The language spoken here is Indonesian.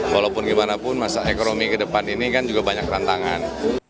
walaupun gimana pun masa ekonomi ke depan ini kan juga banyak tantangan